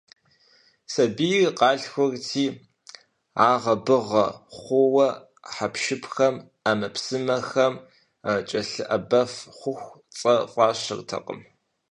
Сабийр къалъхурти, агъэ-быгъэ хъууэ хьэпшыпхэм, Ӏэмэпсымэхэм кӀэлъыӀэбэф хъуху, цӀэ фӀащыртэкъым.